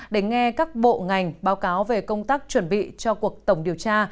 để nghe các bộ ngành báo cáo về công tác chuẩn bị cho cuộc tổng điều tra